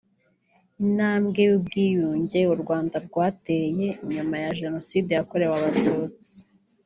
Intambwe y’ubwiyunge u Rwanda rwateye nyuma ya Jenoside yakorewe Abatutsi